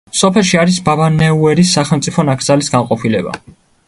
სოფელში არის ბაბანეურის სახელმწიფო ნაკრძალის განყოფილება.